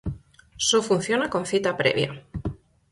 Só funciona con cita previa.